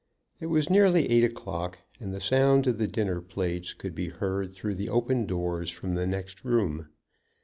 It was nearly eight o'clock, and the sound of the dinner plates could be heard through the open doors from the next room.